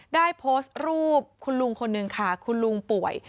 ได้โพสต์รูปคุณลุงคนหนึ่งค่ะคุณลุงป่วย